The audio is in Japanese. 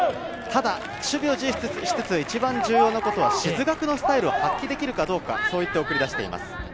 ただ守備をしつつ、一番重要なことは静学のスタイルを発揮できるかどうか、そう言って送り出しています。